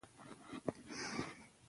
سیاسي رهبران باید ملي ګټې وساتي